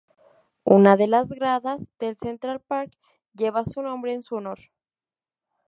Una de las gradas del Central Park lleva su nombre en su honor.